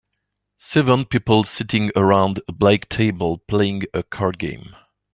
Seven people sitting around a black table playing a card game